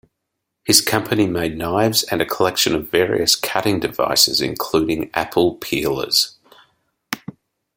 His company made knives and a collection of various cutting devices including apple peelers.